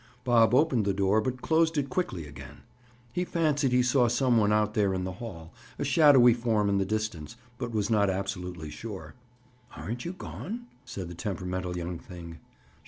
Bob opened the door but closed it quickly again. He fancied he saw some one out there in the hall, a shadowy form in the distance, but was not absolutely sure. "Aren't you gone?" said the temperamental young thing.